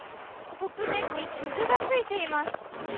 側面に傷がついています。